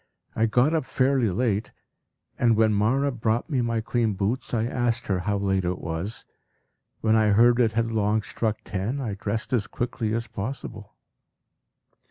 I got up fairly late, and when Mawra brought me my clean boots, I asked her how late it was. When I heard it had long struck ten, I dressed as quickly as possible.